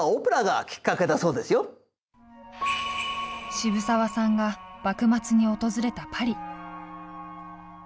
渋沢さんが幕末に訪れたパリ。